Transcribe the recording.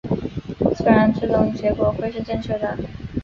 虽然最终结果会是正确的